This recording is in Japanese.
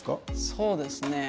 そうですね。